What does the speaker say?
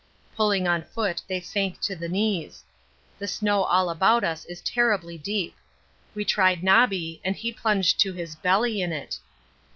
Pulling on foot they sank to the knees. The snow all about us is terribly deep. We tried Nobby and he plunged to his belly in it.